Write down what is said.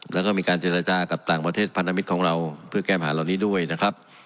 แล้วก็มีการเจรจากับต่างประเทศพันธมิตรของเราเพื่อแก้ปัญหาเหล่านี้ด้วยนะครับ